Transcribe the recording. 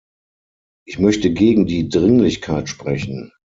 Ich möchte gegen die Dringlichkeit sprechen.